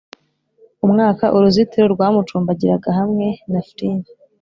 umwaka-uruzitiro rwumucumbagira hamwe na flint,